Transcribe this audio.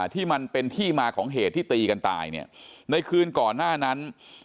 ที่มันเป็นที่มาของเหตุที่ตีกันตายเนี่ยในคืนก่อนหน้านั้น